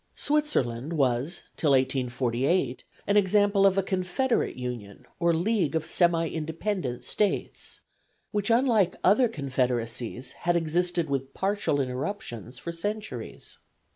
Switzerland was till 1848 an example of a confederate union or league of semi independent States, which, unlike other confederacies, had existed with partial interruptions for centuries.